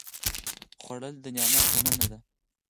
خوړل د نعمت مننه ده